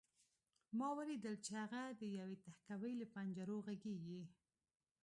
ما ولیدل چې هغه د یوې تهکوي له پنجرو غږېږي